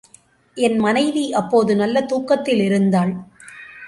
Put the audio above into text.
என் மனைவி அப்போது நல்ல தூக்கத்தில் இருந்தாள்.